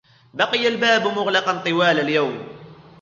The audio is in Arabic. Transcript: بقي الباب مغلقًا طوال اليوم.